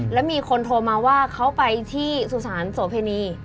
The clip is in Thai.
แล้วมีคนโทรมาว่าเขาไปที่สุสานโสเพณี